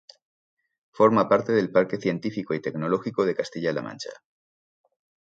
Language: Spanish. Forma parte del Parque Científico y Tecnológico de Castilla-La Mancha.